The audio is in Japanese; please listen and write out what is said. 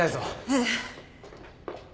ええ。